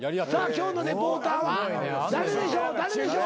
今日のリポーターは誰でしょう誰でしょう。